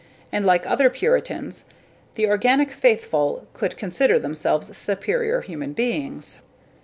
And like other puritans, the organic faithful could consider themselves superior humans.